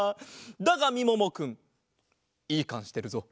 だがみももくんいいかんしてるぞ。